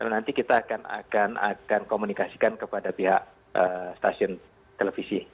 nanti kita akan komunikasikan kepada pihak stasiun televisi